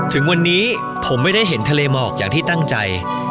ถึงวันนี้ผมไม่ได้เห็นทะเลหมอกอย่างที่ตั้งใจ